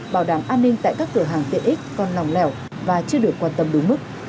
bảo đảm an ninh tại các cửa hàng tiện ích còn lòng lẻo và chưa được quan tâm đúng mức